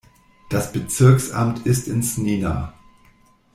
Das Bezirksamt ist in Snina.